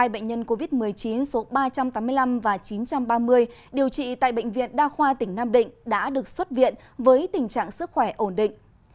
hai bệnh nhân covid một mươi chín số ba trăm tám mươi năm và chín trăm ba mươi điều trị tại bệnh viện đa khoa tỉnh nam định đã được xuất viện với tình trạng sức khỏe ổn định